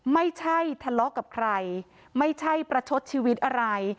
ไม่ใช่ทะเลาะกับใครไม่ใช่ประชดชีวิตอะไร